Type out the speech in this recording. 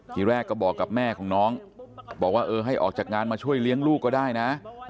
ทีแรกก็บอกกับแม่ของน้องบอกว่าเออให้ออกจากงานมาช่วยเลี้ยงลูกก็ได้นะ